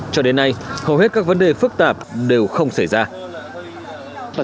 cho đến nay hầu hết các vấn đề phức tạp đều không xảy ra